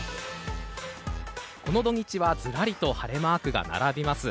この土日はずらりと晴れマークが並びます。